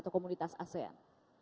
atau komunitas asean